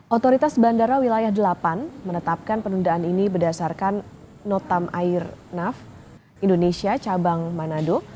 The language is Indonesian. otoritas bandara wilayah delapan menetapkan penundaan ini berdasarkan notam air naf indonesia cabang manado